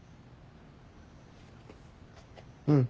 うん。